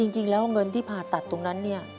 จริงแล้วเงินที่ผ่าตัดตรงนั้นเนี่ย